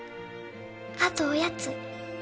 あとおやつ。